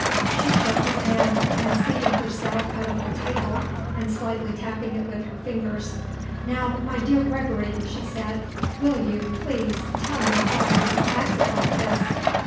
She shook his hand, and seating herself at a little table and slightly tapping it with her fingers, "Now, my dear Gregory," she said, "will you, please, tell me why you have acted like this?"